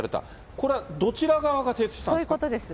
これはどちら側が提出したんですか？